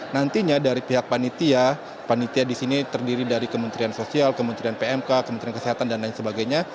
nantinya dari pihak panitia panitia di sini terdiri dari kementerian sosial kementerian pmk kementerian kesehatan dan lain sebagainya